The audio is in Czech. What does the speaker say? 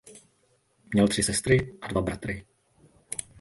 Měl tři sestry a dva bratry.